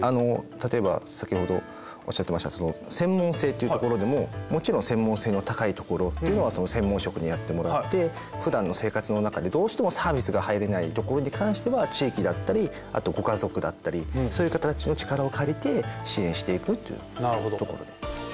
例えば先ほどおっしゃってましたその専門性っていうところでももちろん専門性の高いところっていうのはその専門職でやってもらってふだんの生活の中でどうしてもサービスが入れないところに関しては地域だったりあとご家族だったりそういう方たちの力を借りて支援していくっていうところです。